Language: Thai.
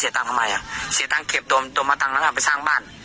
เสียเงินเก็บโดมมาเงินคืนไปสร้างบ้าน